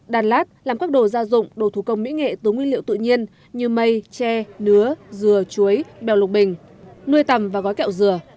đàn lát làm các đồ gia dụng đồ thủ công mỹ nghệ từ nguyên liệu tự nhiên như mây tre nứa dừa chuối bèo lục bình nuôi tầm và gói kẹo dừa